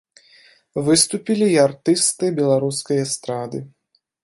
Выступілі і артысты беларускай эстрады.